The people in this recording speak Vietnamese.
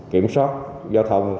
kiểm soát giao thông